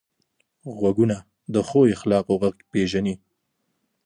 غوږونه د ښو اخلاقو غږ پېژني